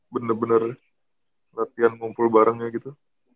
bener bener latihan ngumpul barengnya gitu